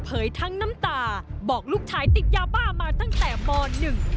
ทั้งน้ำตาบอกลูกชายติดยาบ้ามาตั้งแต่มหนึ่ง